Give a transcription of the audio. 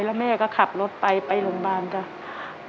แล้วแม่ก็ขับรถไปไปโรงพยาบาลจ้ะ